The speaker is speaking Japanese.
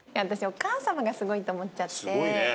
お母様がすごいと思っちゃってすごいね